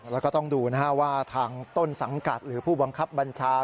แล้วก็ต้องดูนะฮะว่าทางต้นสังกัดหรือผู้บังคับบัญชา